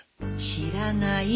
知らない。